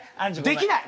できない！